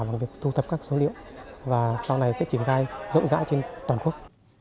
bằng việc thu thập các số liệu và sau này sẽ triển khai rộng rãi trên toàn quốc